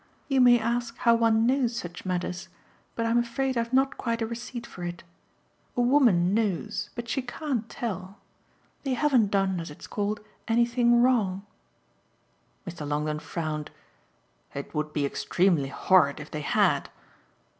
You may ask how one knows such matters, but I'm afraid I've not quite a receipt for it. A woman knows, but she can't tell. They haven't done, as it's called, anything wrong." Mr. Longdon frowned. "It would be extremely horrid if they had."